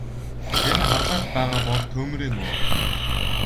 Энэ харлаад байгаа бол түймрийн нурам.